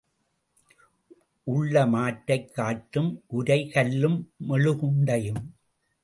உள்ள மாற்றைக் காட்டும், உரை கல்லும் மெழுகுண்டையும்.